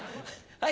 はい。